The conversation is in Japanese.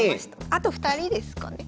あと２人ですかね。